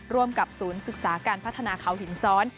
ร่วมกับศูนย์ศึกษาการพัฒนาเขาหินซ้อน